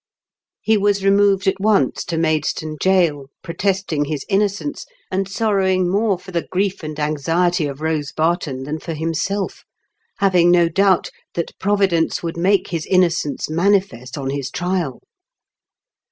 He was removed at once to Maidstone gaol, protesting his innocence, and sorrowing more for the grief and anxiety of Kose Barton than for himself, having no doubt that Providence would make his innocence mani fest on his trial.